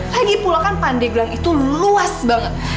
lagipula kan pandeglan itu luas banget